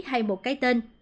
hay một cái tên